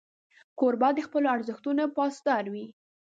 کوربه د خپلو ارزښتونو پاسدار وي.